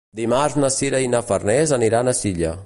Dimarts na Sira i na Farners aniran a Silla.